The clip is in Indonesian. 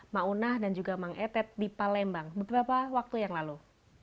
maunah dan juga mang etet di palembang beberapa waktu yang lalu